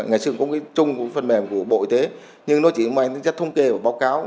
ngày xưa cũng có cái chung của phần mềm của bộ y tế nhưng nó chỉ mang chất thông kê và báo cáo